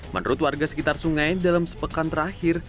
menurut warga sekitar sungai dalam sepekan terakhir